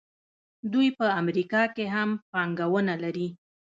دوی په امریکا کې هم پانګونه لري.